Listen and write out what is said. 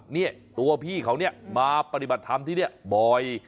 เนี่ยตัวพี่เขาเนี่ยมาปฏิบัติธรรมที่นี่บ่อย